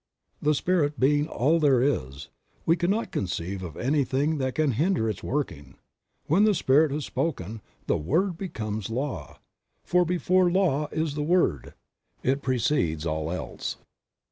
The Spirit being all there is, we cannot conceive of anything that can hinder its working. When the Spirit has spoken, the Word becomes Law, for before the Law is the Word ; It precedes all else.